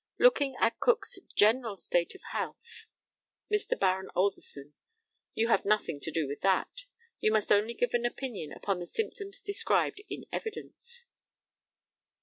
Looking at Cook's general state of health Mr. Baron ALDERSON: You have nothing to do with that. You must only give an opinion upon the symptoms described in evidence.